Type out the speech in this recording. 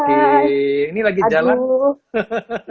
ini lagi jalan